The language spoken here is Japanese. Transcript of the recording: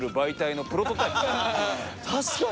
確かに！